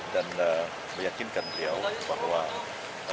dan meyakinkan beliau bahwa